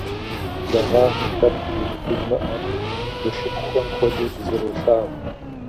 Благъагъэ лъэпкъ дызэхуимыӏэми, зэшыпхъухэм хуэдэу дызэролъагъу.